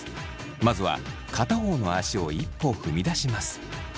まずは片方の足を一歩踏み出します。